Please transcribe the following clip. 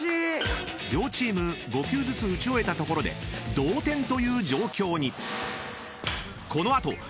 ［両チーム５球ずつ打ち終えたところで同点という状況に］